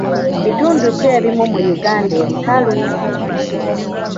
Bitundu ki ebimu mu Uganda ebikalu?